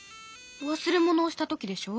忘れ物をした時でしょ。